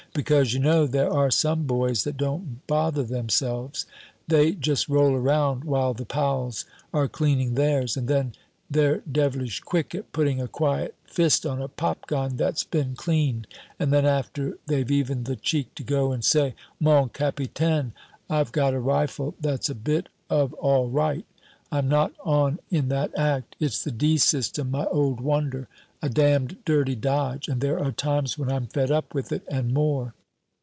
Because, you know, there are some boys that don't bother themselves; they just roll around while the pals are cleaning theirs, and then they're devilish quick at putting a quiet fist on a popgun that's been cleaned; and then after they've even the cheek to go and say, 'Mon capitaine, I've got a rifle that's a bit of all right.' I'm not on in that act. It's the D system, my old wonder a damned dirty dodge, and there are times when I'm fed up with it, and more."